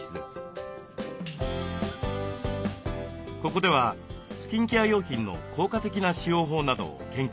ここではスキンケア用品の効果的な使用法などを研究しています。